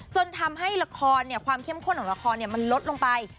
จนทำให้ละครเนี่ยความเข้มข้นของละครเนี่ยมันลดลงไป